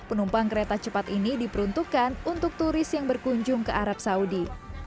penumpang kereta cepat ini diperuntukkan untuk turis yang berkunjung ke arab saudi